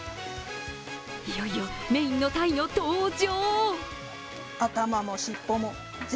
いよいよメインの、たいの登場。